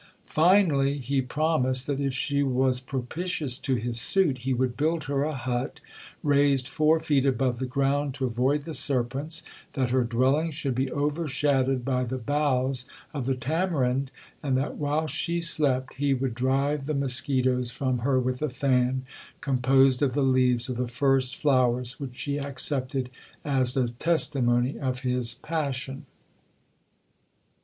Finally, he promised, that if she was propitious to his suit, he would build her a hut, raised four feet above the ground to avoid the serpents;—that her dwelling should be overshadowed by the boughs of the tamarind; and that while she slept, he would drive the musquitoes from her with a fan, composed of the leaves of the first flowers which she accepted as a testimony of his passion. 1 The curtain behind which women are concealed.